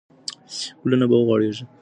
ګلونه به وغوړېږي.